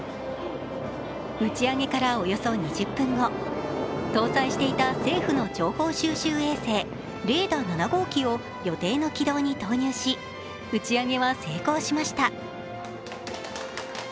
打ち上げからおよそ２０分後搭載していた政府の情報収集衛星、「レーダ７号機」を予定の軌道に投入し、打ち上げは成功しました。